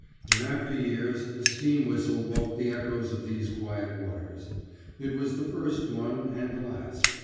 In after years a steam whistle woke the echoes of these quiet waters. It was the first one, and the last.